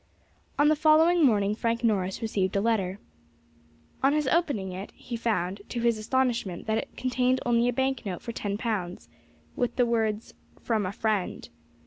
On the following morning Frank Norris received a letter. On his opening it he found, to his astonishment, that it contained only a bank note for ten pounds, with the words "From a friend."